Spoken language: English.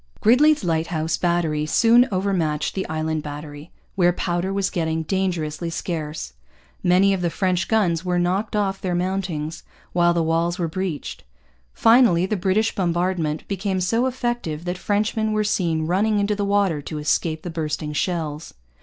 Gridley's Lighthouse Battery soon over matched the Island Battery, where powder was getting dangerously scarce. Many of the French guns were knocked off their mountings, while the walls were breached. Finally, the British bombardment became so effective that Frenchmen were seen running into the water to escape the bursting shells.